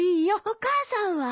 お母さんは？